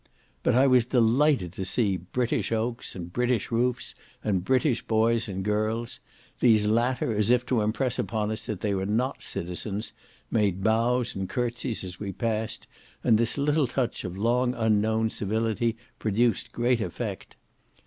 But I was delighted to see British oaks, and British roofs, and British boys and girls. These latter, as if to impress upon us that they were not citizens, made bows and courtseys as we passed, and this little touch of long unknown civility produced great effect.